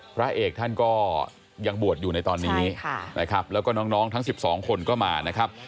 พระเอกท่านก็ยังบวชอยู่ในตอนนี้นะครับแล้วก็น้องทั้ง๑๒คนก็มานะครับ